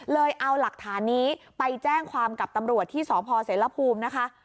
เลยเอาหลักฐานนี้ไปแจ้งความกับตำรวจที่สพเสรภูมินะคะ